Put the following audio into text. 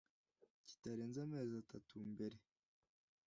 kitarenze amezi atatu mbere